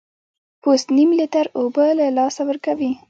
پوست نیم لیټر اوبه له لاسه ورکوي.